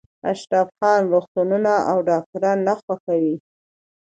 اشرف خان روغتونونه او ډاکټران نه خوښوي